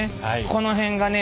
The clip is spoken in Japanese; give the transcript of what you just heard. この辺がね